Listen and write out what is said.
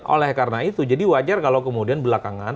oleh karena itu jadi wajar kalau kemudian belakangan